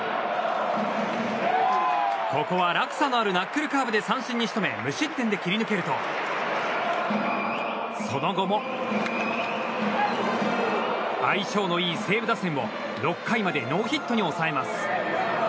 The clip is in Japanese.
ここは落差のあるナックルカーブで三振に仕留め無失点で切り抜けるとその後も、相性のいい西武打線を６回までノーヒットに抑えます。